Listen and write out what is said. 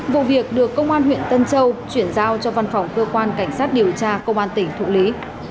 vụ việc được công an huyện tân châu chuyển giao cho văn phòng cơ quan cảnh sát điều tra công an tỉnh thụ lý